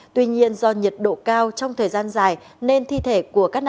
tuy nhiên do nhiệt độ cao trong thời gian dài nên thi thể của các nạn nhân đều bị tử vong